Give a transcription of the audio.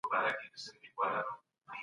مؤمنان باید په ښو کارونو امر وکړي.